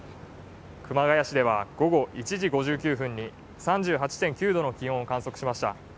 熊谷市では午後１時５９分に３８．９度の気温を観測しました。